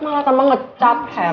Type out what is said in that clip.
malah sama ngecap